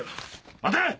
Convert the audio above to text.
待て！